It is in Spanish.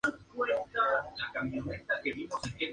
Esta isla es cubierta con algas para formar el nido.